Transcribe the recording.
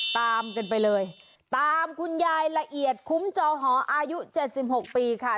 ตามกันไปเลยตามคุณยายละเอียดคุ้มจอหออายุ๗๖ปีค่ะ